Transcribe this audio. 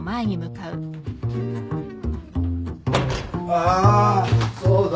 ・・あそうだ。